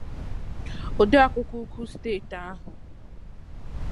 ode akwụkwọ ukwu steeti ahụ